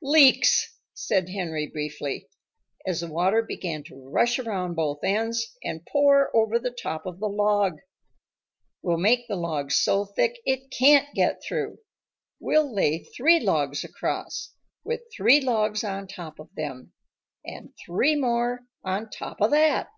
"Leaks," said Henry briefly, as the water began to rush around both ends and pour over the top of the log. "We'll make the logs so thick it can't get through. We'll lay three logs across, with three logs on top of them, and three more on top of that."